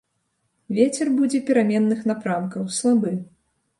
Вецер будзе пераменных напрамкаў, слабы.